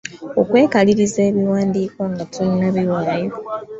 Okwekaliriza ebiwandiiko nga tonnabiwaayo.